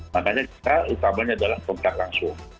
makanya kita utamanya dalam kontak langsung